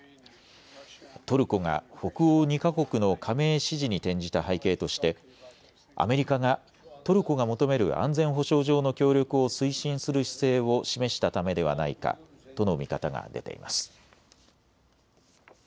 トルコが北欧２か国の加盟支持に転じた背景としてアメリカが、トルコが求める安全保障上の協力を推進する姿勢を示したためではないかとの見方が出ています。